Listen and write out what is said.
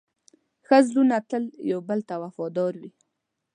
ښه زړونه تل یو بل ته وفادار وي.